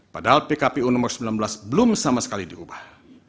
padahal pkpu nomor sembilan belas belum sama sekali diubah